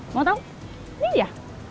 mau tau ini dia